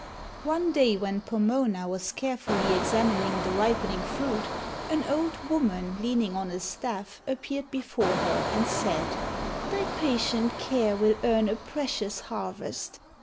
One day when Pomona was carefully examining the ripening fruit an old woman leaning on a staff appeared before her and said, "Thy patient care will earn a precious harvest.